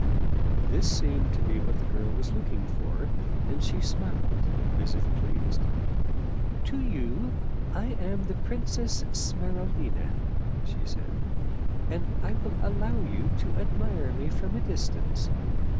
This seemed to be what the girl was looking for, and she smiled as if pleased. " To you I am the Princess Smeral dina," she said, " and I will allow you to admire me from 43 German Mystery Stories a distance.